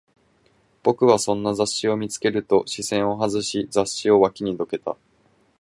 僕はそんな雑誌を見つけると、視線を外し、雑誌を脇にどけた